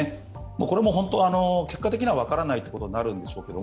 これも結果的には分からないということになるんでしょうけど